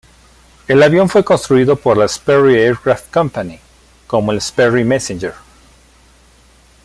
El avión fue construido por la Sperry Aircraft Company como el Sperry "Messenger".